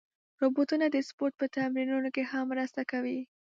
روبوټونه د سپورت په تمرینونو کې هم مرسته کوي.